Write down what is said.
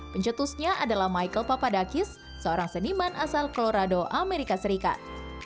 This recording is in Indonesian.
pencetusnya adalah michael papadakis seorang seniman asal klorado amerika serikat